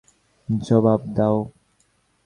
জবাব দাও।